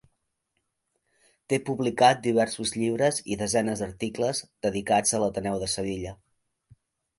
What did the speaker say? Té publicat diversos llibres i desenes d'articles dedicats a l'Ateneu de Sevilla.